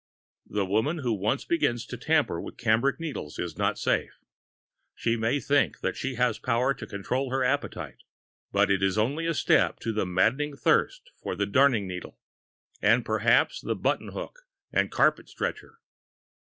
The woman who once begins to tamper with cambric needles is not safe. She may think that she has power to control her appetite, but it is only a step to the maddening thirst for the darning needle, and perhaps to the button hook and carpet stretcher.